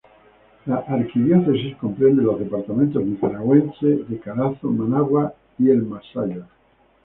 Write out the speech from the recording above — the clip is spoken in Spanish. La arquidiócesis comprende los departamentos nicaragüenses de Carazo, Managua y el Masaya.